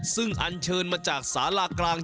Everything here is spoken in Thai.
ซึ่งอันเชิญมาจากสารากลาง